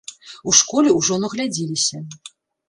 У школе ўжо наглядзеліся.